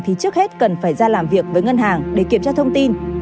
thì trước hết cần phải ra làm việc với ngân hàng để kiểm tra thông tin